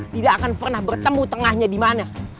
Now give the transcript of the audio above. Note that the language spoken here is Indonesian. tidak akan pernah bertemu tengahnya di mana